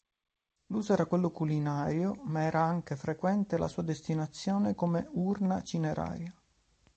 L'uso era quello culinario, ma era anche frequente la sua destinazione come urna cineraria.